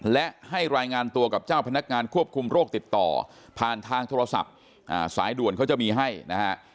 และให้รายงานตัวกับเจ้าพนักงานควบคุมโรคติดต่อผ่านทางโทรศัพท์สายด่วนเขาจะมีให้นะฮะ